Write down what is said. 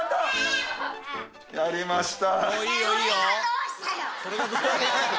やりました。